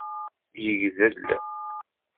Yegdel.